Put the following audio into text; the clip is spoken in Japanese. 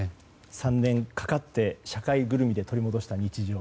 ３年かかって社会ぐるみで取り戻した日常。